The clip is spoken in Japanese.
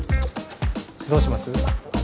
どうします？